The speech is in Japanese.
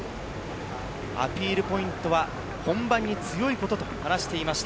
アピールポイントは本番に強いことと話していました。